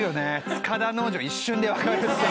塚田農場が一瞬でわかるっていう。